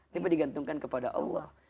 tinggal digantungkan kepada allah